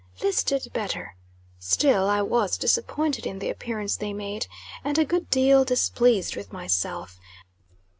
This did better; still, I was disappointed in the appearance they made, and a good deal displeased with myself.